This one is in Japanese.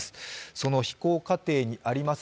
その飛行過程にあります